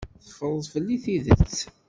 Teffreḍ fell-i tidet.